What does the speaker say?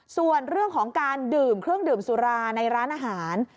ส่วนเรื่องของการดื่มเครื่องดื่มสุราในร้านอาหาร